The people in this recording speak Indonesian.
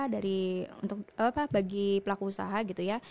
dari untuk bagi pelaku usaha gitu ya